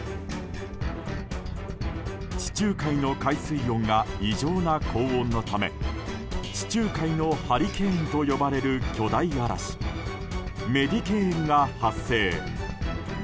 地中海の海水温が異常な高温のため地中海のハリケーンと呼ばれる巨大嵐メディケーンが発生。